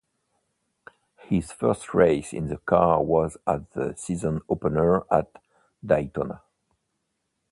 His first race in the car was at the season opener at Daytona.